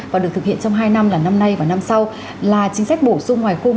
và được thực hiện trong hai năm là năm nay và năm sau là chính sách bổ sung ngoài khung